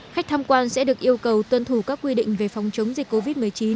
khách tham quan sẽ được yêu cầu tuân thủ các quy định về phòng chống dịch covid một mươi chín